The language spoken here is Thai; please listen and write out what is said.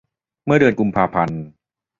เมื่อเดือนกุมภาพันธ์